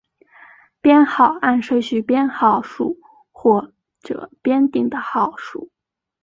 编号按顺序编号数或者编定的号数。